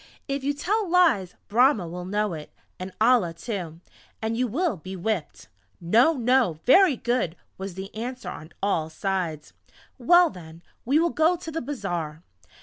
"If you tell lies Brahma will know it, and Allah too, and you will be whipped!" "No! No! Very good!" was the answer on all sides. "Well then, we will go to the Bazaar!"